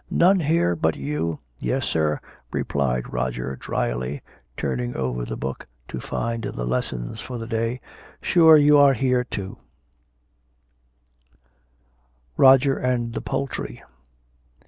none here but you_?" "Yes, sir," replied Roger drily (turning over the book to find the lessons, for the day), "sure you are here too." ROGER AND THE POULTRY.